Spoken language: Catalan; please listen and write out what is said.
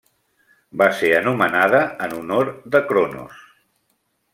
Va ser anomenada en honor de Cronos.